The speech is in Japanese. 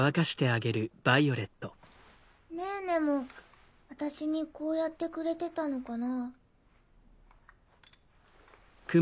ねぇねもあたしにこうやってくれてたのかな？